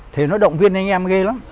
thì nó động viên anh em ghê lắm